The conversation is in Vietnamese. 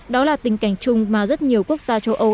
đó là tình cảnh chung mà rất nhiều quốc gia châu âu